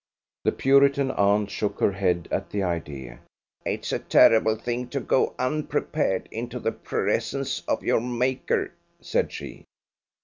'" The Puritan aunt shook her head at the idea. "It's a terrible thing to go unprepared into the presence of your Maker," said she.